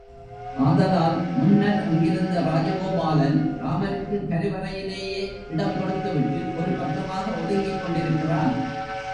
ஆதலால் முன்னர் அங்கிருந்த ராஜகோபாலன், ராமருக்குக் கருவறையிலேயே இடம் கொடுத்துவிட்டு ஒரு பக்கமாக ஒதுங்கிக் கொண்டிருக்கிறான்.